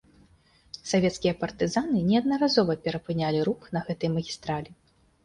Савецкія партызаны неаднаразова перапынялі рух на гэтай магістралі.